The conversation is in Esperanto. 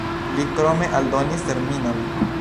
Li krome aldonis terminon.